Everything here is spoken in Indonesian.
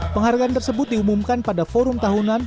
penghargaan tersebut diumumkan pada forum tahunan